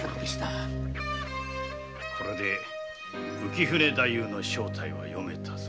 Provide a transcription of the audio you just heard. これで浮舟太夫の正体は読めたぞ。